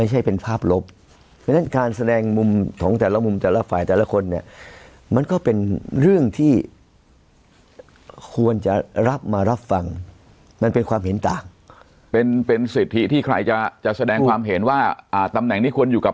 เห็นต่างเป็นเป็นสิทธิที่ใครจะจะแสดงความเห็นว่าอ่าตำแหน่งนี้ควรอยู่กับ